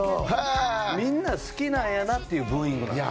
みんな好きなんやなというブーイング。